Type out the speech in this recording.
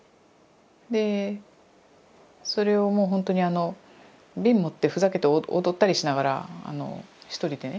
でそれをもうほんとに瓶持ってふざけて踊ったりしながら一人でね。